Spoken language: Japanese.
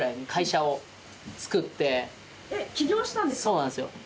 そうなんですよ。